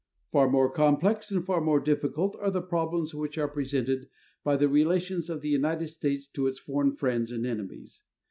Far more complex, and far more difficult, are the problems which are presented by the relations of the United States to its foreign friends and enemies.